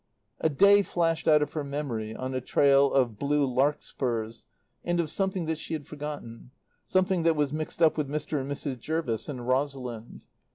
A day flashed out of her memory on a trail of blue larkspurs and of something that she had forgotten, something that was mixed up with Mr. and Mrs. Jervis and Rosalind.